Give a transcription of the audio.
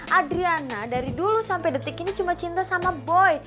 adriana dari dulu sampai detik ini cuma cinta sama boy